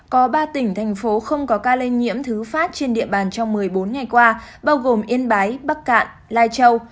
có ba tỉnh thành phố không có ca lây nhiễm thứ phát trên địa bàn trong một mươi bốn ngày qua bao gồm yên bái bắc cạn lai châu